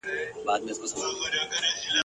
په دې لویه وداني کي توتکۍ وه !.